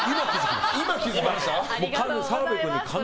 今気づきました。